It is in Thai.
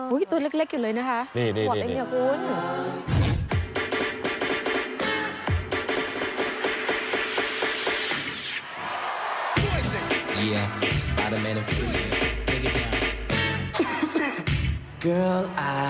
อุ้ยตัวเล็กอยู่เลยนะคะบอกเล่นเกี่ยวกับคุณ